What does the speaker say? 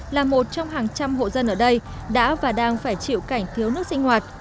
là một trong hàng trăm hộ dân ở đây đã và đang phải chịu cảnh thiếu nước sinh hoạt